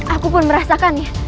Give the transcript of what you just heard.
aku pun merasakannya